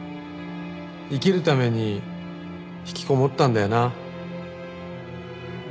「生きるために引きこもったんだよな」